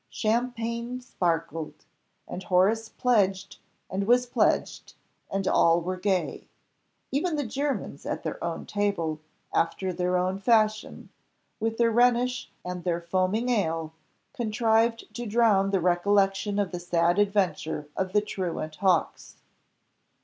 Champagne sparkled, and Horace pledged and was pledged, and all were gay; even the Germans at their own table, after their own fashion, with their Rhenish and their foaming ale, contrived to drown the recollection of the sad adventure of the truant hawks.